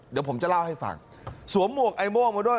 เดี๋ยวผมจะเล่าให้ฟังสวมหมวกไอโม่งมาด้วย